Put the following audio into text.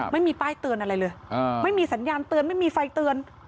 ไม่มีป้ายเตือนอะไรเลยไม่มีสัญญาณเตือนไม่มีไฟเตือน